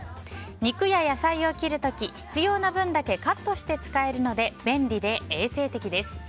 肉や野菜を切る時、必要な分だけカットして使えるので便利で衛生的です。